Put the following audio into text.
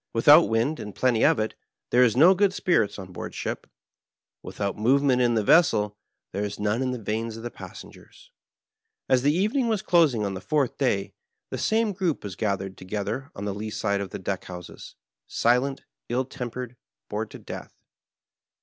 Without wind, and plenty of it, there is no good spirits on board ship ; without movo Digitized by VjOOQIC ON BOJJtD THE ''BAVAEIA:' 15 ment in the vessel there is none in the veins of the pas sengers. As the evening was dosing on the fonrth day the same gronp was gathered together on the lee side of the deck honses, silent, ill tempered, bored to death.